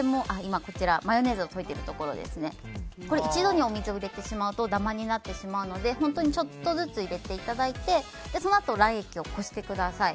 一度にお水を入れてしまうとダマになってしまうので本当にちょっとずつ入れていただいてそのあと卵液をこしてください。